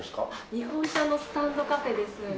日本茶のスタンドカフェです。